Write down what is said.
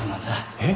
えっ？